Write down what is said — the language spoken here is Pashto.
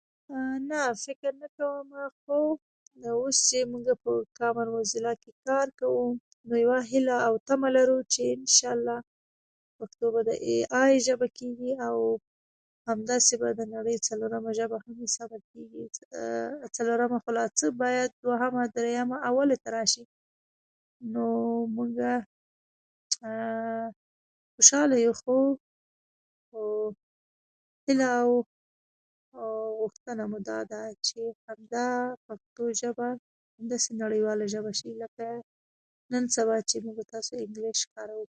نه، فکر نه کومه، خو اوس چې زموږ کامن موزیلا کې کار کوو، نو یوه هیله او طمع لرو چې ان شاءالله پښتو به د اې ای ژبه کېږي، او همداسې به د نړۍ څلورمه ژبه هم کېږي. څلورمه خو لا څه، دوهمه، دریمه او اولې ته باید راشي. نو موږه خوشاله یو، خو خو هیله او غوښتنه مو دا ده چې دا پښتو ژبه داسې نړیواله ژبه شي لکه نن سبا چې موږ و تاسو انګلېش کاروو.